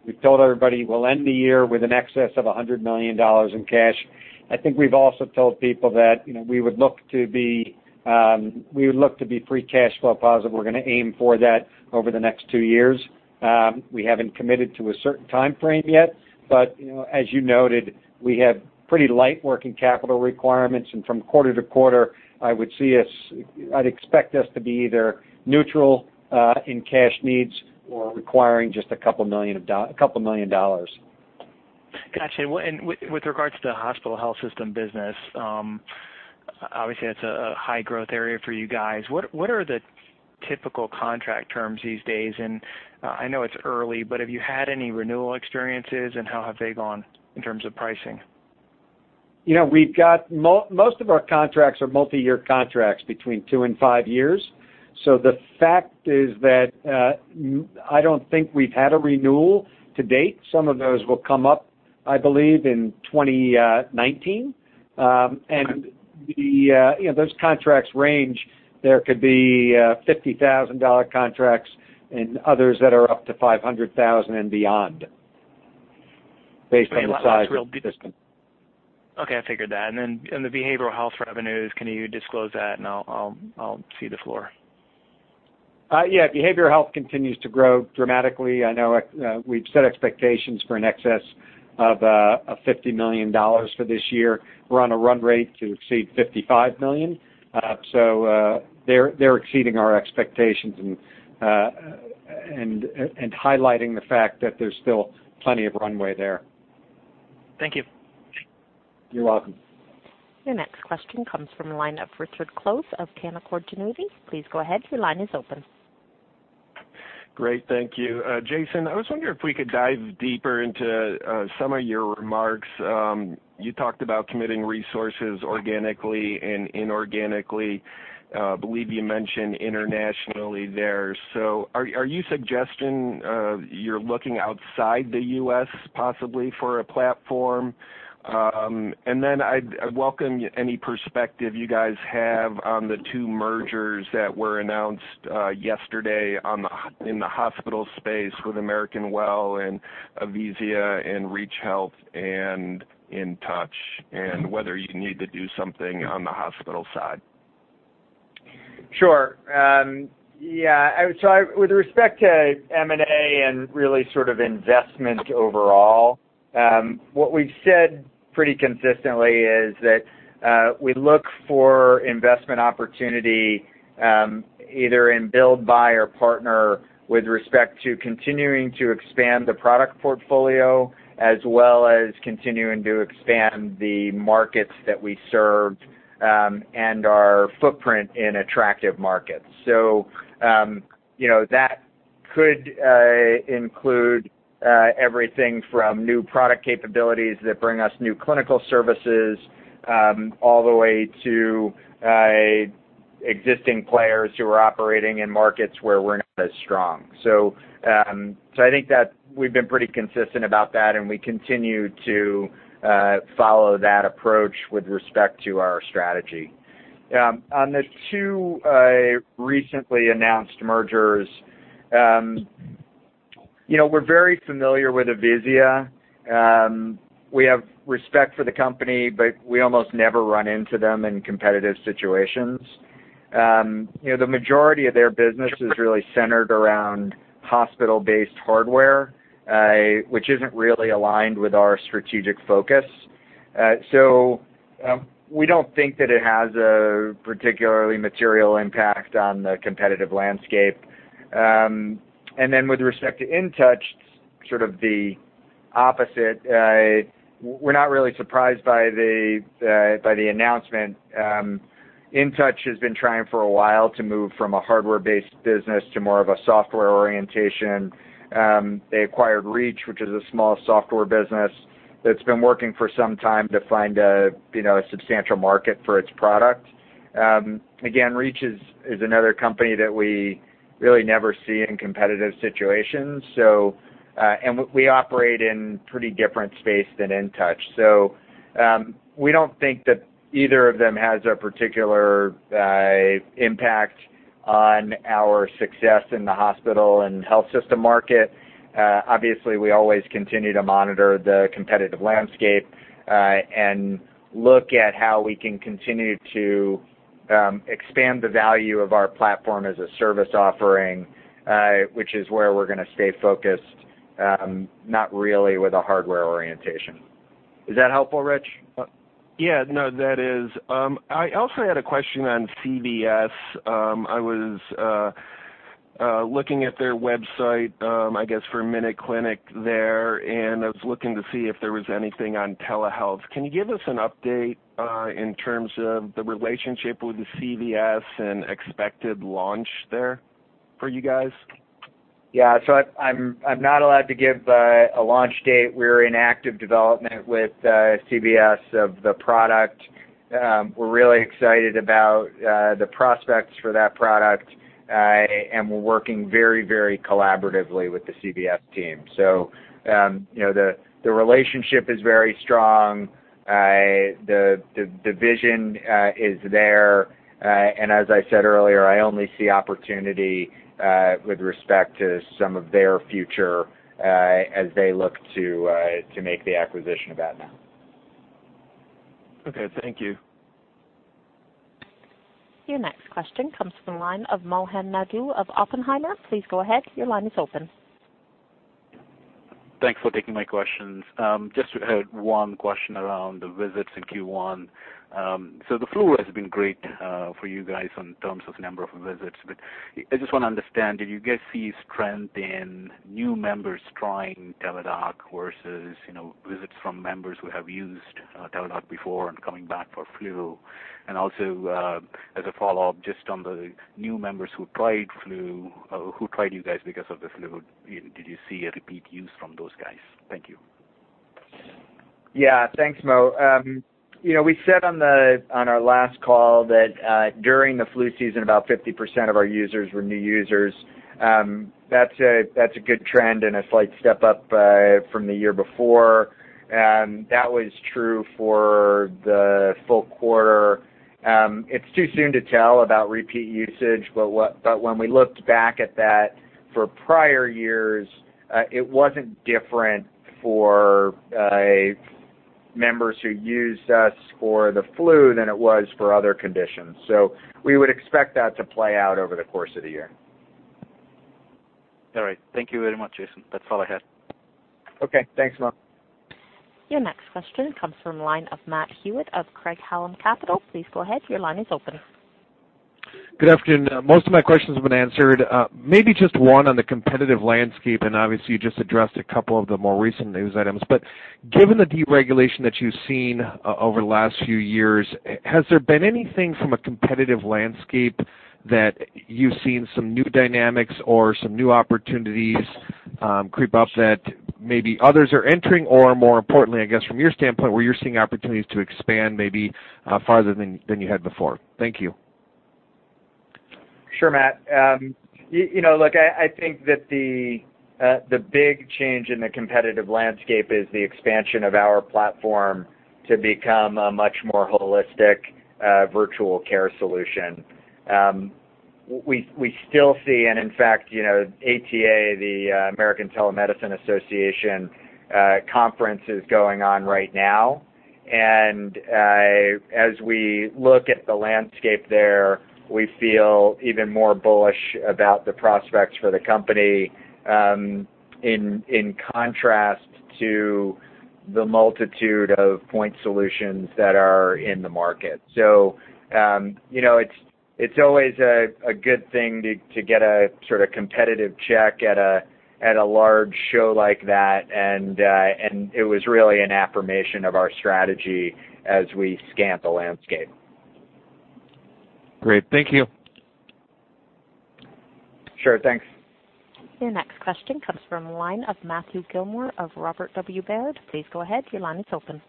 We've told everybody we'll end the year with an excess of $100 million in cash. I think we've also told people that we would look to be free cash flow positive. We're going to aim for that over the next two years. We haven't committed to a certain timeframe yet. As you noted, we have pretty light working capital requirements, and from quarter to quarter, I'd expect us to be either neutral in cash needs or requiring just a couple million dollars. Got you. With regards to the hospital health system business, obviously that's a high growth area for you guys. What are the typical contract terms these days? I know it's early, but have you had any renewal experiences, and how have they gone in terms of pricing? Most of our contracts are multiyear contracts between two and five years. The fact is that I don't think we've had a renewal to date. Some of those will come up, I believe, in 2019. Okay. Those contracts range. There could be $50,000 contracts and others that are up to $500,000 and beyond based on the size of the system. Okay, I figured that. Then in the behavioral health revenues, can you disclose that, and I'll cede the floor? Yeah. Behavioral health continues to grow dramatically. I know we've set expectations for an excess of $50 million for this year. We're on a run rate to exceed $55 million. They're exceeding our expectations and highlighting the fact that there's still plenty of runway there. Thank you. You're welcome. Your next question comes from the line of Richard Close of Canaccord Genuity. Please go ahead. Your line is open. Great. Thank you. Jason, I was wondering if we could dive deeper into some of your remarks. You talked about committing resources organically and inorganically. I believe you mentioned internationally there. Are you suggesting you're looking outside the U.S. possibly for a platform? Then I'd welcome any perspective you guys have on the two mergers that were announced yesterday in the hospital space with American Well and Avizia and Reach Health and InTouch, and whether you need to do something on the hospital side. Sure. Yeah. With respect to M&A and really sort of investment overall, what we've said pretty consistently is that we look for investment opportunity, either in build, buy, or partner with respect to continuing to expand the product portfolio, as well as continuing to expand the markets that we serve, and our footprint in attractive markets. That could include everything from new product capabilities that bring us new clinical services, all the way to existing players who are operating in markets where we're not as strong. I think that we've been pretty consistent about that, and we continue to follow that approach with respect to our strategy. On the two recently announced mergers. We're very familiar with Avizia. We have respect for the company, but we almost never run into them in competitive situations. The majority of their business is really centered around hospital-based hardware, which isn't really aligned with our strategic focus. We don't think that it has a particularly material impact on the competitive landscape. Then with respect to InTouch, sort of the opposite. We're not really surprised by the announcement. InTouch has been trying for a while to move from a hardware-based business to more of a software orientation. They acquired Reach, which is a small software business that's been working for some time to find a substantial market for its product. Reach is another company that we really never see in competitive situations. We operate in pretty different space than InTouch. We don't think that either of them has a particular impact on our success in the hospital and health system market. Obviously, we always continue to monitor the competitive landscape, and look at how we can continue to expand the value of our platform as a service offering, which is where we're going to stay focused, not really with a hardware orientation. Is that helpful, Rich? Yeah. No, that is. I also had a question on CVS. I was looking at their website, I guess for MinuteClinic there, and I was looking to see if there was anything on telehealth. Can you give us an update in terms of the relationship with the CVS and expected launch there for you guys? I'm not allowed to give a launch date. We're in active development with CVS of the product. We're really excited about the prospects for that product. We're working very collaboratively with the CVS team. The relationship is very strong. The vision is there. As I said earlier, I only see opportunity with respect to some of their future as they look to make the acquisition of Aetna. Okay. Thank you. Your next question comes from the line of Mohan Naidu of Oppenheimer. Please go ahead. Your line is open. Thanks for taking my questions. Just had one question around the visits in Q1. The flu has been great for you guys in terms of number of visits, but I just want to understand, did you guys see strength in new members trying Teladoc versus visits from members who have used Teladoc before and coming back for flu? As a follow-up, just on the new members who tried you guys because of the flu, did you see a repeat use from those guys? Thank you. Yeah. Thanks, Mo. We said on our last call that during the flu season, about 50% of our users were new users. That's a good trend and a slight step up from the year before. That was true for the full quarter. It's too soon to tell about repeat usage, but when we looked back at that for prior years, it wasn't different for members who used us for the flu than it was for other conditions. We would expect that to play out over the course of the year. All right. Thank you very much, Jason. That's all I had. Okay. Thanks, Mo. Your next question comes from the line of Matt Hewitt of Craig-Hallum Capital. Please go ahead. Your line is open. Good afternoon. Most of my questions have been answered. Maybe just one on the competitive landscape, and obviously, you just addressed a couple of the more recent news items. Given the deregulation that you've seen over the last few years, has there been anything from a competitive landscape that you've seen some new dynamics or some new opportunities creep up that maybe others are entering, or more importantly, I guess, from your standpoint, where you're seeing opportunities to expand maybe farther than you had before? Thank you. Sure, Matt. Look, I think that the big change in the competitive landscape is the expansion of our platform to become a much more holistic virtual care solution. We still see, and in fact, ATA, the American Telemedicine Association conference is going on right now. As we look at the landscape there, we feel even more bullish about the prospects for the company, in contrast to the multitude of point solutions that are in the market. It's always a good thing to get a sort of competitive check at a large show like that, and it was really an affirmation of our strategy as we scan the landscape. Great. Thank you. Sure. Thanks. Your next question comes from the line of Matthew Gillmor of Robert W. Baird. Please go ahead. Your line is open.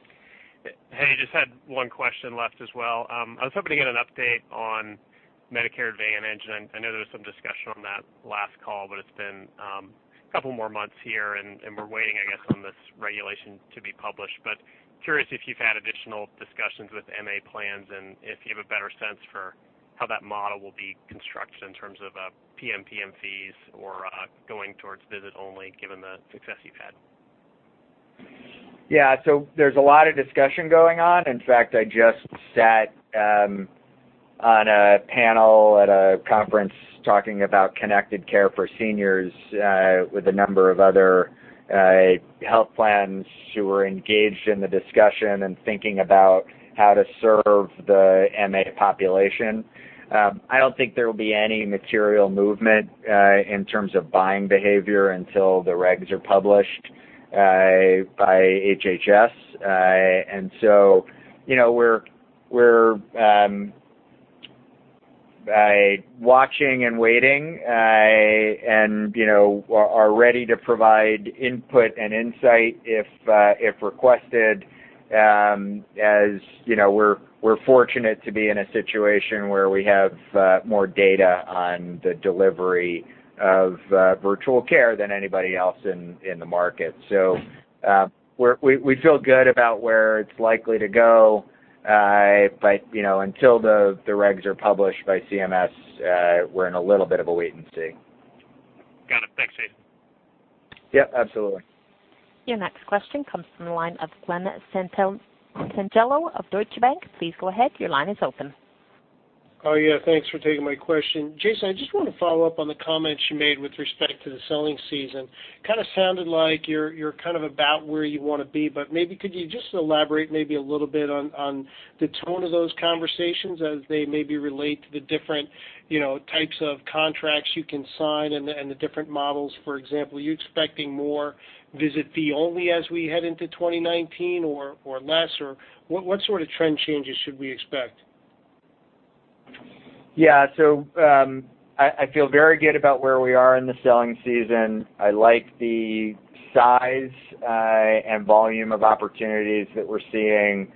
Hey, just had one question left as well. I was hoping to get an update on Medicare Advantage. I know there was some discussion on that last call, but it's been a couple more months here, and we're waiting, I guess, on this regulation to be published. Curious if you've had additional discussions with MA plans and if you have a better sense for how that model will be constructed in terms of PMPM fees or going towards visit only, given the success you've had. Yeah. There's a lot of discussion going on. In fact, I just sat on a panel at a conference talking about connected care for seniors, with a number of other health plans who were engaged in the discussion and thinking about how to serve the MA population. I don't think there will be any material movement in terms of buying behavior until the regs are published by HHS. We're watching and waiting, and are ready to provide input and insight if requested, as we're fortunate to be in a situation where we have more data on the delivery of virtual care than anybody else in the market. We feel good about where it's likely to go. But, until the regs are published by CMS, we're in a little bit of a wait and see. Got it. Thanks, Jason. Yep, absolutely. Your next question comes from the line of Glen Santangelo of Deutsche Bank. Please go ahead, your line is open. Yeah, thanks for taking my question. Jason, I just want to follow up on the comments you made with respect to the selling season. Kind of sounded like you're kind of about where you want to be, but maybe could you just elaborate maybe a little bit on the tone of those conversations as they maybe relate to the different types of contracts you can sign and the different models? For example, are you expecting more visit fee only as we head into 2019 or less? What sort of trend changes should we expect? I feel very good about where we are in the selling season. I like the size and volume of opportunities that we're seeing.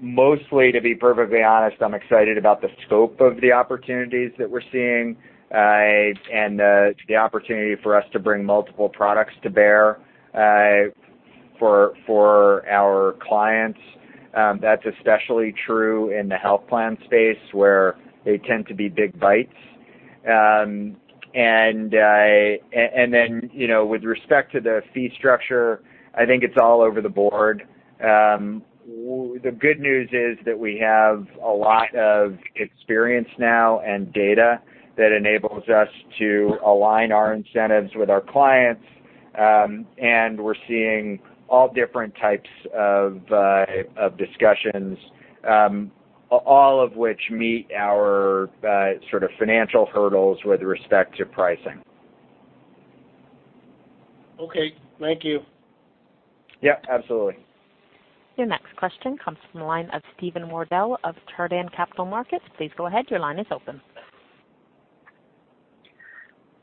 Mostly, to be perfectly honest, I'm excited about the scope of the opportunities that we're seeing, and the opportunity for us to bring multiple products to bear for our clients. That's especially true in the health plan space, where they tend to be big bites. With respect to the fee structure, I think it's all over the board. The good news is that we have a lot of experience now and data that enables us to align our incentives with our clients. We're seeing all different types of discussions, all of which meet our sort of financial hurdles with respect to pricing. Okay. Thank you. Yep, absolutely. Your next question comes from the line of Steven Wardell of Chardan Capital Markets. Please go ahead. Your line is open.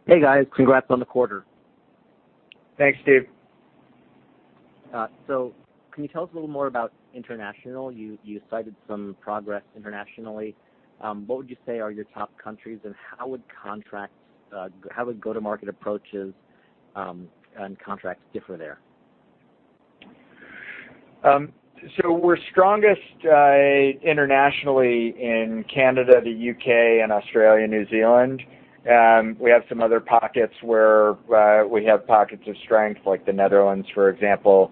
Hey, guys. Congrats on the quarter. Thanks, Steve. Can you tell us a little more about international? You cited some progress internationally. What would you say are your top countries, and how would go-to-market approaches, and contracts differ there? We're strongest internationally in Canada, the U.K., and Australia, New Zealand. We have some other pockets where we have pockets of strength, like the Netherlands, for example.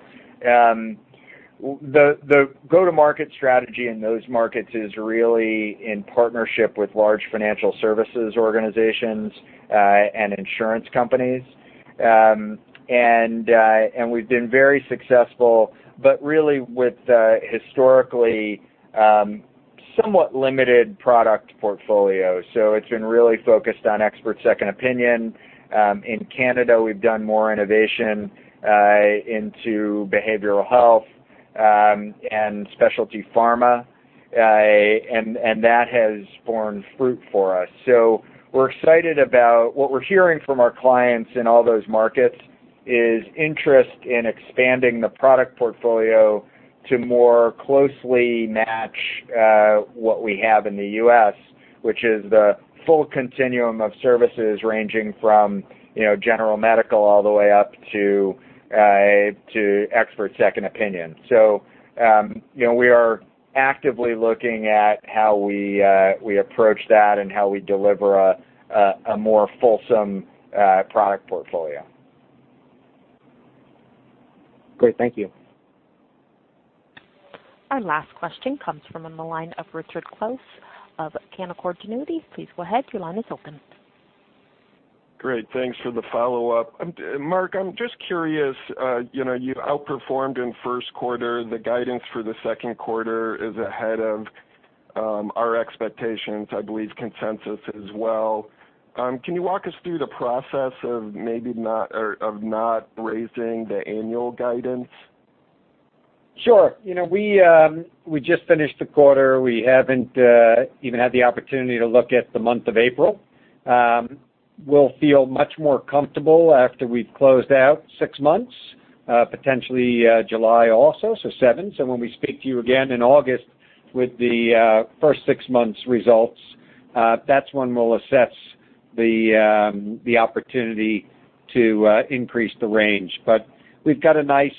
The go-to-market strategy in those markets is really in partnership with large financial services organizations, and insurance companies. We've been very successful, but really with historically somewhat limited product portfolio. It's been really focused on expert second opinion. In Canada, we've done more innovation into behavioral health, and specialty pharma. That has borne fruit for us. We're excited about what we're hearing from our clients in all those markets is interest in expanding the product portfolio to more closely match what we have in the U.S., which is the full continuum of services ranging from general medical all the way up to expert second opinion. We are actively looking at how we approach that and how we deliver a more fulsome product portfolio. Great. Thank you. Our last question comes from the line of Richard Close of Canaccord Genuity. Please go ahead. Your line is open. Great. Thanks for the follow-up. Mark, I'm just curious, you've outperformed in first quarter. The guidance for the second quarter is ahead of our expectations, I believe consensus as well. Can you walk us through the process of not raising the annual guidance? Sure. We just finished the quarter. We haven't even had the opportunity to look at the month of April. We'll feel much more comfortable after we've closed out six months, potentially July also, so seven. When we speak to you again in August with the first six months results, that's when we'll assess the opportunity to increase the range. But we've got a nice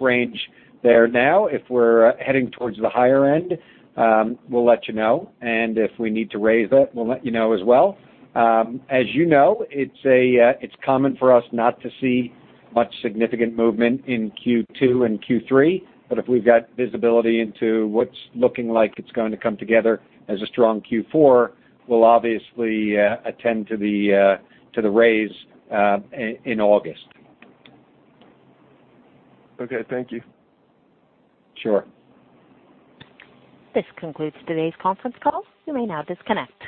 range there now. If we're heading towards the higher end, we'll let you know. If we need to raise it, we'll let you know as well. As you know, it's common for us not to see much significant movement in Q2 and Q3, but if we've got visibility into what's looking like it's going to come together as a strong Q4, we'll obviously attend to the raise in August. Okay. Thank you. Sure. This concludes today's conference call. You may now disconnect.